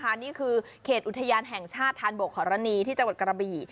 นี่คือเขตอุทยานแห่งชาติธานบกขอรณีที่จังหวัดกระบี่